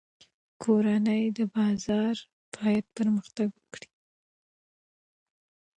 کورني بازار باید پرمختګ وکړي.